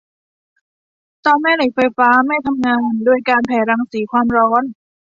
เตาแม่เหล็กไฟฟ้าไม่ทำงานโดยการแผ่รังสีความร้อน